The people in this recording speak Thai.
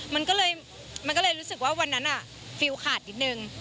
มันก็เลยมันก็เลยรู้สึกว่าวันนั้นฟิลขาดนิดนึง